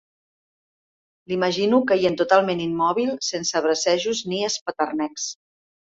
L'imagino caient totalment immòbil, sense bracejos ni espeternecs.